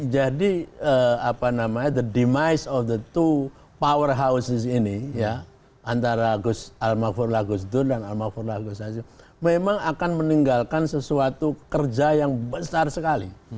jadi apa namanya the demise of the two powerhouses ini ya antara gus al makfurullah gus dur dan al makfurullah gus hasim memang akan meninggalkan sesuatu kerja yang besar sekali